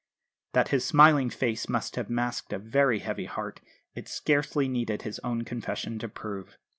That his smiling face must have masked a very heavy heart, it scarcely needed his own confession to prove.